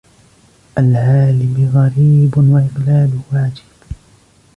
الْعَالِمِ غَرِيبٌ وَإِقْلَالَهُ عَجِيبٌ